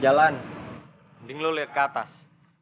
kalau mau jalan lebih baik lihat ke atas